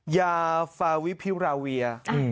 ยาฟาวิพิราเวีย